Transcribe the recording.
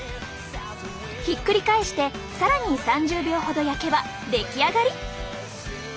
ひっくり返して更に３０秒ほど焼けば出来上がり。